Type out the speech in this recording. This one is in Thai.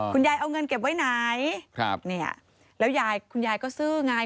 ยายเอาเงินเก็บไว้ไหนครับเนี่ยแล้วยายคุณยายก็ซื้อไง